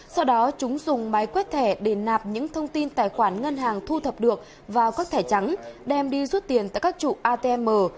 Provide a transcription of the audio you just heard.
sau đó chúng dùng máy quét thẻ để nạp những thông tin tài khoản ngân hàng thu thập được vào các thẻ trắng đem đi rút tiền tại các trụ atm